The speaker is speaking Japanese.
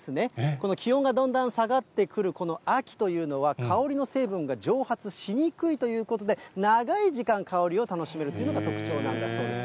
この気温がだんだん下がってくる秋というのは、香りの成分が蒸発しにくいということで、長い時間、香りを楽しめるというのが特徴なんだそうです。